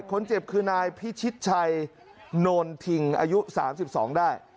คนเจ็บคือนายพิชิตชัยโนนทิงอายุ๓๒ได้